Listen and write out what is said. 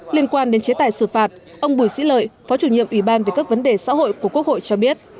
liên quan đến chế tài xử phạt ông bùi sĩ lợi phó chủ nhiệm ủy ban về các vấn đề xã hội của quốc hội cho biết